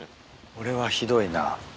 これはひどいな。